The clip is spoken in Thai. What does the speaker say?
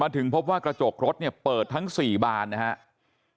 ถึงพบว่ากระจกรถเนี่ยเปิดทั้ง๔บานนะครับ